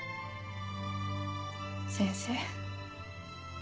先生。